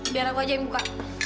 biar aku aja yang buka